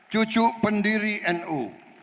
cucuk pendiri nu